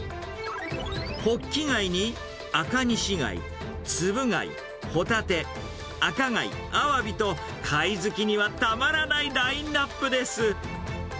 ホッキ貝に赤西貝、ツブ貝、ホタテ、赤貝、アワビと、貝好きにはたまらないラインナップです。